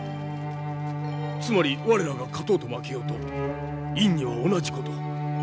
つまり我らが勝とうと負けようと院には同じこと。